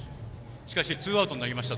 しかしツーアウトになりました。